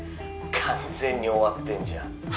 完全に終わってんじゃん